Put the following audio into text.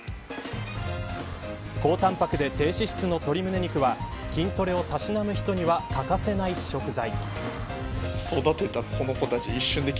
高たんぱくで低脂質の鶏むね肉は筋トレをたしなむ人には欠かせない食材。